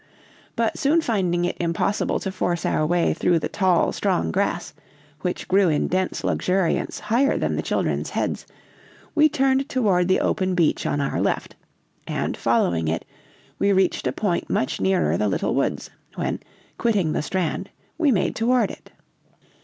But soon finding it impossible to force our way through the tall, strong grass, which grew in dense luxuriance higher than the children's heads, we turned toward the open beach on our left, and following it, we reached a point much nearer the little woods, when, quitting the strand, we made toward it.